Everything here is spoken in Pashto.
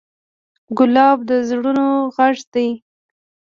ګلاب د زړونو غږ دی.